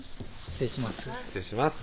失礼します